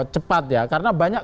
cepat ya karena banyak